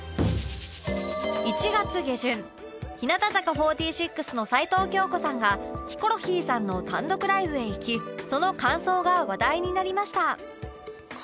１月下旬日向坂４６の齊藤京子さんがヒコロヒーさんの単独ライブへ行きその感想が話題になりました